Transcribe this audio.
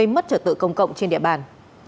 mất trợ tự công cộng trên địa bàn